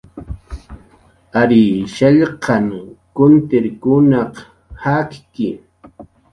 Ary shallqsananw kuntirkunaq jakki